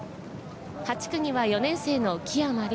８区には４年生の木山凌。